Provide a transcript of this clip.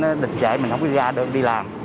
nó địch chạy mình không có đi ra được đi làm